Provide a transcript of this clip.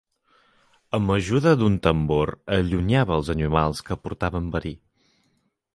Amb ajuda d'un tambor, allunyava els animals que portaven verí.